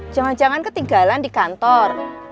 jangan jangan ketinggalan di kantor